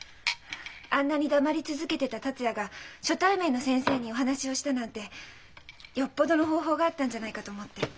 あんなに黙り続けてた達也が初対面の先生にお話をしたなんてよっぽどの方法があったんじゃないかと思って。